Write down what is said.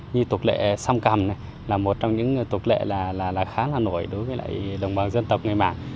như tục lệ song cầm là một trong những tục lệ khá là nổi đối với lại đồng bào dân tộc người mạng